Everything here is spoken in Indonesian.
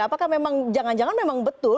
apakah memang jangan jangan memang betul